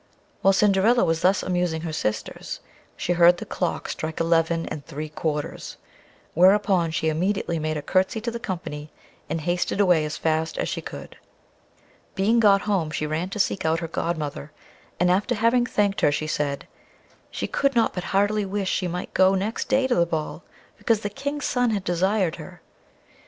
While Cinderilla was thus amusing her sisters, she heard the clock strike eleven and three quarters, whereupon she immediately made a curtesy to the company, and hasted away as fast as she could. Being got home, she ran to seek out her godmother, and after having thanked her, she said, "she could not but heartily wish she might go next day to the ball, because the King's son had desired her."